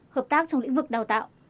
hợp tác trong lĩnh vực đào tạo